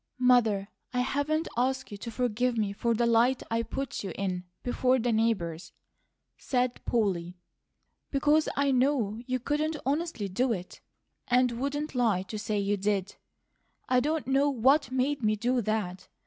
"Mother, I haven't asked you to forgive me for the light I put you in before the neighbours," said Polly, "because I knew you couldn't honestly do it, and wouldn't lie to say you did. I don't know WHAT made me do that.